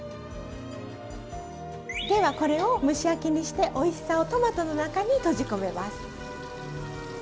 ではこれを蒸し焼きにしておいしさをトマトの中に閉じ込めます。